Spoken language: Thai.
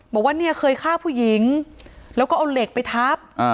บอกว่าเนี่ยเคยฆ่าผู้หญิงแล้วก็เอาเหล็กไปทับ